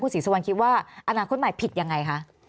ศรีสุวรรณคิดว่าอนาคตใหม่ผิดยังไงคะ